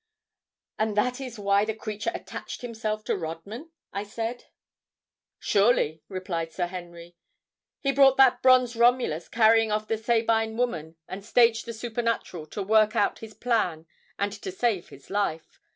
"And that is why the creature attached himself to Rodman!" I said. "Surely," replied Sir Henry. "He brought that bronze Romulus carrying off the Sabine woman and staged the supernatural to work out his plan and to save his life.